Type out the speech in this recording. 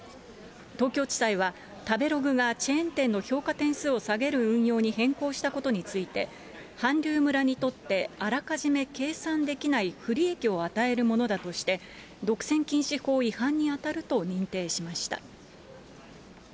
東京地裁は、食べログがチェーン店の評価点数を下げる運用に変更したことについて、韓流村にとってあらかじめ計算できない不利益を与えるものだとして、独占禁止法違反に当たると認定しました。